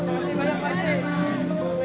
kalau saya kan fotomodel